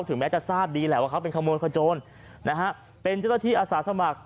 แม้จะทราบดีแหละว่าเขาเป็นขโมยขโจรนะฮะเป็นเจ้าหน้าที่อาสาสมัคร